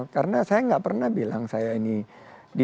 karena saya gak pernah bilang saya ini ditanya siap gak berpikir